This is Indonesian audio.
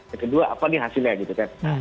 yang kedua apa nih hasilnya gitu kan